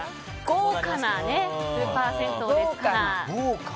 豪華なスーパー銭湯ですから。